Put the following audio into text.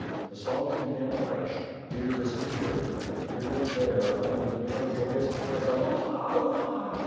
The songs began afresh, fear disappeared and here and there one even heard joyous cries of "Uha! Uha!"